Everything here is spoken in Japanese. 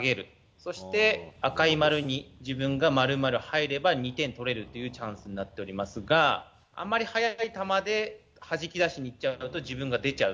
そして、赤い丸に自分が丸々入れば２点取れるというチャンスになっておりますがあまり速い球ではじき出しにいくと自分が出ちゃう。